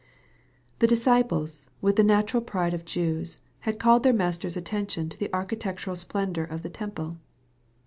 The disciples, with the natural pride of Jews, had called their Master's attention to the architectural splen dor of the temple.